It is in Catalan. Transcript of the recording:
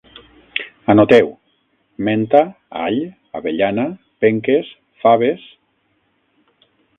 Anoteu: menta, all, avellana, penques, faves